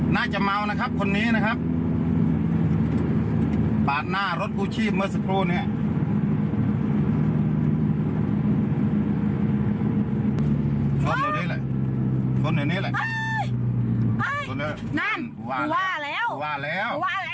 นั่นกูว่าแล้ว